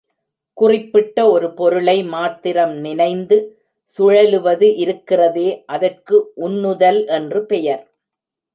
குறிப்பிட்ட ஒரு பொருளை மாத்திரம் நினைந்து சுழலுவது இருக்கிறதே அதற்கு உன்னுதல் என்று பெயர்.